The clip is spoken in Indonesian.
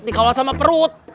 dikawal sama perut